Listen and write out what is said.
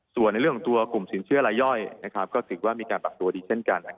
ส่วนในเรื่องของตัวกลุ่มสินเชื่อรายย่อยก็ถือว่ามีการปรับตัวดีเช่นกัน